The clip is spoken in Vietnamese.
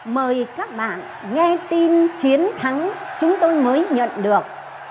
mời các bạn nghe tin chiến thắng chúng tôi mới nhận được